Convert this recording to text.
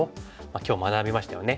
今日学びましたよね。